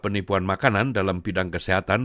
penipuan makanan dalam bidang kesehatan